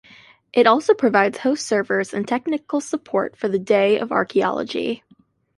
It also provides host servers and technical support for the Day of Archaeology.